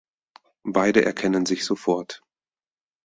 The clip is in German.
Beide erkennen sich sofort.